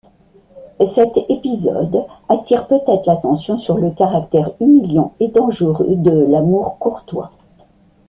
Cet épisode attire peut-être l'attention sur le caractère humiliant et dangereux de l'Amour courtois.